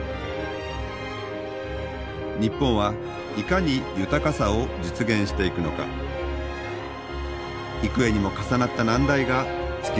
日本はいかに豊かさを実現していくのか幾重にも重なった難題が突きつけられています。